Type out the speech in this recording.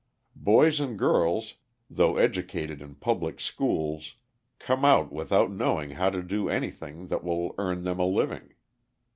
Boys and girls, though educated in the public schools, come out without knowing how to do anything that will earn them a living.